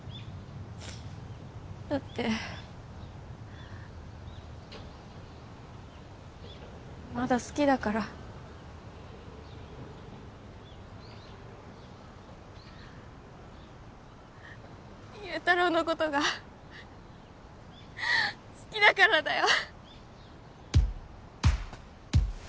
だってまだ好きだから祐太郎のことが好きだからだよ